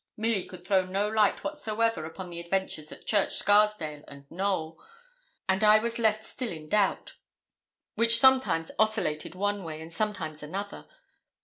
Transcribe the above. Milly could throw no light whatsoever upon the adventures at Church Scarsdale and Knowl; and I was left still in doubt, which sometimes oscillated one way and sometimes another.